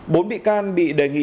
bốn bị can bị đề nghị